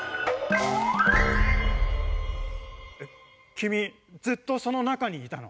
きみずっとそのなかにいたの？